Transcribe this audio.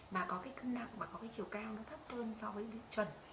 mà có cái cân nặng và chiều cao nó thấp hơn so với lượng chuẩn